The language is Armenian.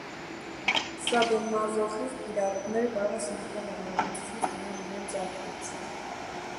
Սադոմազոխիզմ կիրառողները կարող են սեռական բավարարվածություն ստանալ իրենց ակտից։